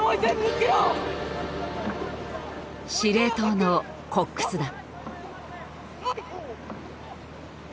司令塔の「コックス」だ。